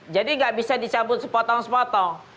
jadi gak bisa dicabut sepotong sepotong